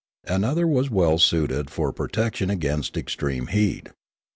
Another was as well suited for protection against extreme heat.